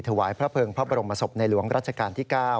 ถวายพระเภิงพระบรมศพในหลวงรัชกาลที่๙